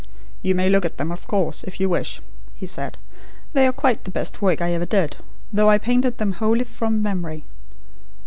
"You may look at them of course, if you wish," he sail. "They are quite the best work I ever did, though I painted them wholly from memory.